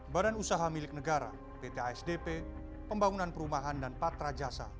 badan usaha milik negara pt asdp pembangunan perumahan dan patra jasa